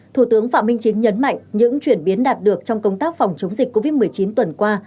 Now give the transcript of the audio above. thủ tướng phạm minh chính nhấn mạnh những chuyển biến đạt được trong công tác phòng chống dịch covid một mươi chín tuần qua